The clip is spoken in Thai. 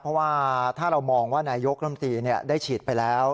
เพราะว่าถ้าเรามองว่านายกรัมตีได้ฉีดไปแล้ว